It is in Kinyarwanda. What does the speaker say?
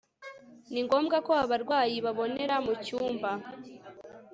ni ngombwa ko abarwayi babonera mu cyumba